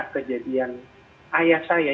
kejadian ayah saya